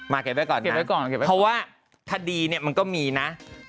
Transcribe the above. มาเก็บไว้ก่อนนะเพราะว่าถ้าดีเนี่ยมันก็มีนะ